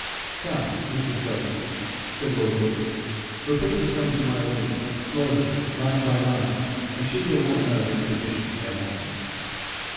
'Come, mistress Dorothy,' said lord Herbert, 'repeat the song to my lady, slowly, line by line, and she will want no exposition thereon.'